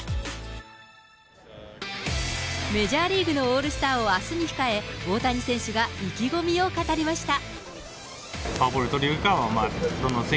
メジャーリーグのオールスターをあすに控え、大谷選手が意気込みを語りました。